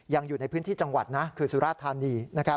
อยู่ในพื้นที่จังหวัดนะคือสุราธานี